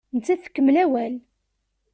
Nettat tkemmel awal.